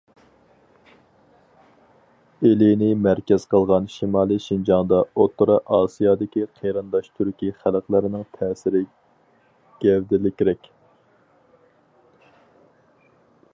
ئىلىنى مەركەز قىلغان شىمالىي شىنجاڭدا ئوتتۇرا ئاسىيادىكى قېرىنداش تۈركىي خەلقلەرنىڭ تەسىرى گەۋدىلىكرەك.